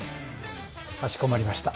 かしこまりました。